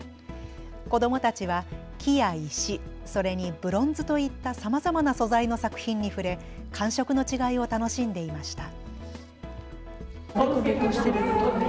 子どもたちは木や石、それにブロンズといったさまざまな素材の作品に触れ、感触の違いを楽しんでいました。